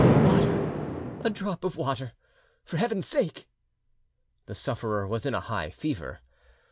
"Water, a drop of water, for Heaven's sake!" The sufferer was in a high fever.